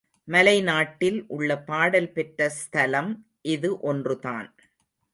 மலை நாட்டில் உள்ள பாடல் பெற்ற ஸ்தலம் இது ஒன்றுதான்.